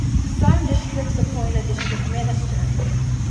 Some Districts appoint a District Minister.